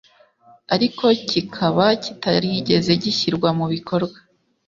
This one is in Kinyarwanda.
ariko kikaba kitarigeze gishyirwa mu bikorwa